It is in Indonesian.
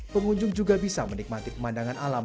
pengunjung juga bisa menikmati pemandangan alam